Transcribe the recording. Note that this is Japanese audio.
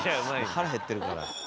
腹へってるから。